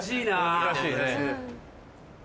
難しいね。